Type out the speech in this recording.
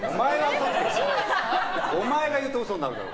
お前が言うと嘘になるだろ！